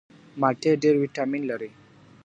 مالټې ډېر ویټامین لري.